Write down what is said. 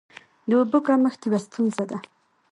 د اوبو کمښت یوه ستونزه ده.